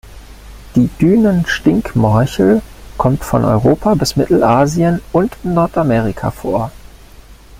Die Dünen-Stinkmorchel kommt von Europa bis Mittelasien und in Nordamerika vor.